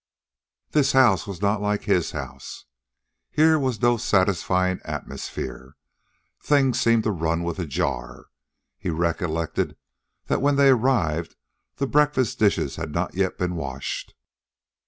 This house was not like his house. Here was no satisfying atmosphere. Things seemed to run with a jar. He recollected that when they arrived the breakfast dishes had not yet been washed.